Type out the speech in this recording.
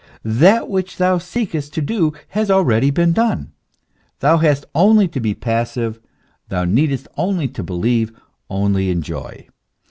That which thou seekest to do has already been done. Thou hast only to be passive, thou needest only believe, only enjoy.